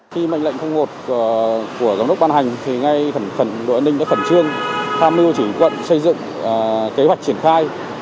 khi mệnh lệnh một của giám đốc ban hành thì ngay phần đội an ninh đã phẩn trương tham lưu chỉnh quận xây dựng kế hoạch triển khai